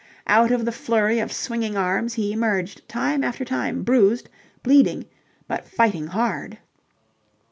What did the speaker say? Out of the flurry of swinging arms he emerged time after time bruised, bleeding, but fighting hard.